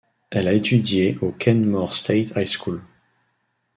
Elle a étudié au Kenmore State High School.